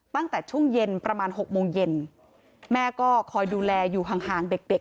ตั้งแต่ช่วงเย็นประมาณหกโมงเย็นแม่ก็คอยดูแลอยู่ห่างห่างเด็กเด็ก